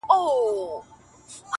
• سترگي يې توري ـپر مخ يې ښكل كړه ـ